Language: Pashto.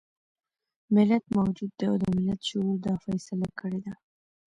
ملت موجود دی او د ملت شعور دا فيصله کړې ده.